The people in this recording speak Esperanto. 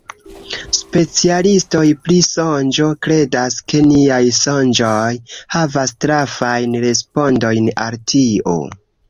Specialistoj pri sonĝo kredas ke niaj sonĝoj havas trafajn respondojn al tio.